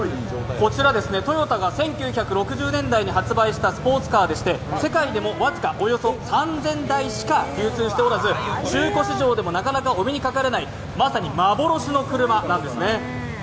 こちらトヨタが１９６０年代に発売したスポーツカーでして世界でも僅かおよそ３０００台しか流通しておらず、中古市場でもなかなかお目にかかれないまさに幻の車なんですね。